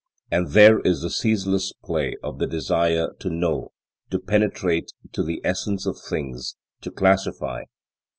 And there is the ceaseless play of the desire to know, to penetrate to the essence of things, to classify.